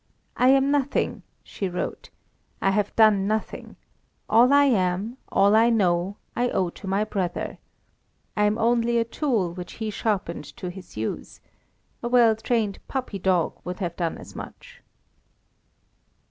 "I am nothing," she wrote; "I have done nothing: all I am, all I know, I owe to my brother. I am only a tool which he shaped to his use—a well trained puppy dog would have done as much."